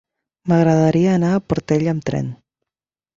M'agradaria anar a la Portella amb tren.